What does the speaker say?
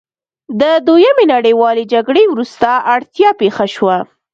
د دویمې نړیوالې جګړې وروسته اړتیا پیښه شوه.